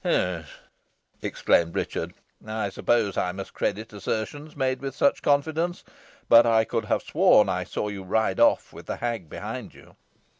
"Humph!" exclaimed Richard, "I suppose I must credit assertions made with such confidence, but I could have sworn I saw you ride off with the hag behind you."